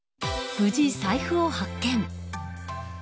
無事、財布を発見。